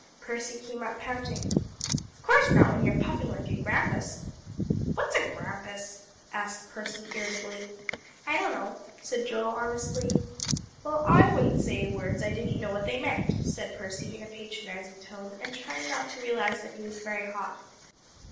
Percy came up panting. "Of course not, when you're puffing like a grampus." "What's a grampus?" asked Percy irritably. "I don't know," said Joel honestly. "Well, I wouldn't say words I didn't know what they meant," said Percy in a patronizing tone, and trying not to realize that he was very hot.